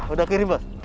udah kirim bos